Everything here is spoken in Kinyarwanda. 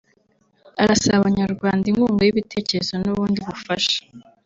arasaba Abanyarwanda inkunga y’ibitekerezo n’ubundi bufasha